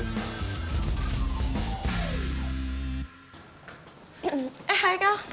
eh hai kel